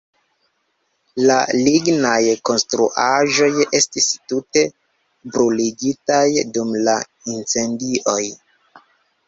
La lignaj konstruaĵoj estis tute bruligitaj dum la incendioj.